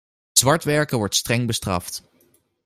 Zwartwerken wordt streng bestraft.